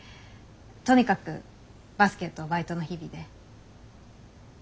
とにかくバスケとバイトの日々で。